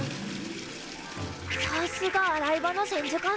さすが洗い場の千手観音！